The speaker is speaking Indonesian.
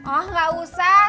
ah gak usah